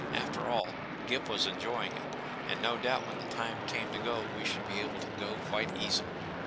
After all, Gip was enjoying it. And no doubt when the time came to go we should be able to go quite easily.